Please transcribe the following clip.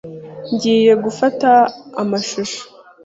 Ngiye gufata amashusho.